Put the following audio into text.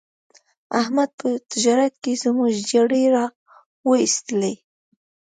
احمد په تجارت کې زموږ جرړې را و ایستلې.